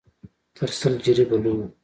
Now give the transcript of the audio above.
تر سل جريبه لوى و.